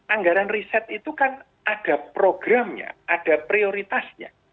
anggaran riset itu kan ada programnya ada prioritasnya